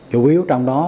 chủ yếu trong đó